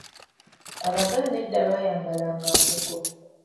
Abaganda edda baayambalanga mbugo.